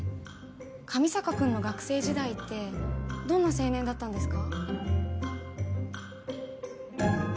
上坂君の学生時代ってどんな青年だったんですか？